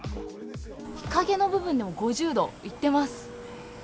日陰の部分でも５０度行ってます。